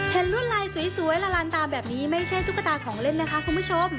ลวดลายสวยละลานตาแบบนี้ไม่ใช่ตุ๊กตาของเล่นนะคะคุณผู้ชม